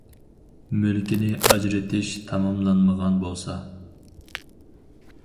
مۈلكىنى ئاجرىتىش تاماملانمىغان بولسا.